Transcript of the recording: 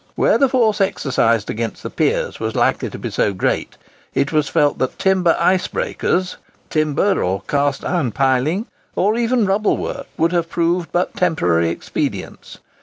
Where the force exercised against the piers was likely to be so great, it was felt that timber ice breakers, timber or cast iron piling, or even rubble work, would have proved but temporary expedients.